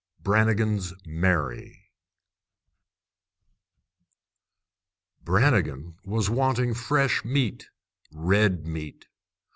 Brannigan's Mary Brannigan was wanting fresh meat, red meat.